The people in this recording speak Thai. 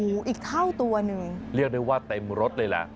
โอ้โหอีกเท่าตัวหนึ่งเรียกได้ว่าเต็มรถเลยล่ะ